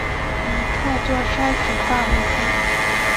以创作山水画为主。